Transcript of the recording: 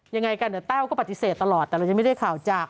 ยังไงกันเดี๋ยวแต้วก็ปฏิเสธตลอดแต่เรายังไม่ได้ข่าวจาก